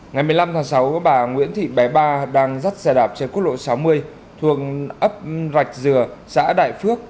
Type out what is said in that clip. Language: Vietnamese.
ngày một mươi năm tháng sáu bà nguyễn thị bé ba đang dắt xe đạp trên quốc lộ sáu mươi thuồng ấp rạch dừa xã đại phước